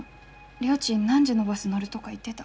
りょーちん何時のバス乗るとか言ってた？